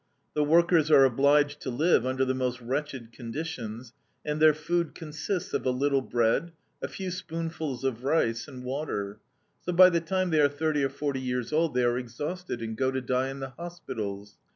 The workers are obliged to live under the most wretched conditions, and their food consists of a little bread, a few spoonfuls of rice, and water; so by the time they are thirty or forty years old, they are exhausted, and go to die in the hospitals.